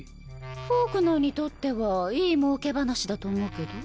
フォークナーにとってはいい儲け話だと思うけど？